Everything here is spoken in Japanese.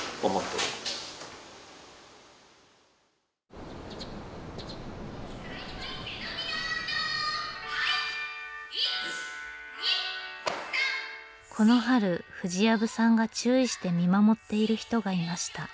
この春藤藪さんが注意して見守っている人がいました。